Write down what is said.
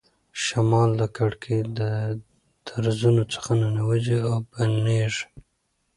شمال د کړکۍ له درزونو څخه ننوځي او بڼیږي.